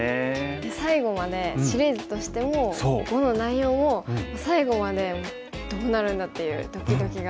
で最後までシリーズとしても碁の内容も最後までどうなるんだ？っていうドキドキが。